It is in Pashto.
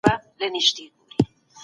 تر ډیره به مې په دې اړه مطالعه کړې وي.